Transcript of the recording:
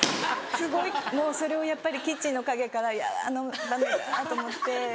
すごいもうそれをやっぱりキッチンの陰からあのバネがと思って。